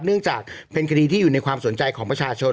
เนื่องจากเป็นคดีที่อยู่ในความสนใจของประชาชน